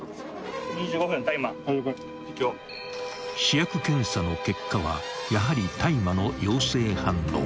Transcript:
［試薬検査の結果はやはり大麻の陽性反応］